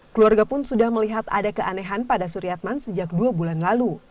keluarga pun sudah melihat ada keanehan pada suryatman sejak dua bulan lalu